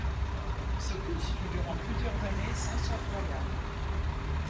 Secousse fut durant plusieurs années censeur royal.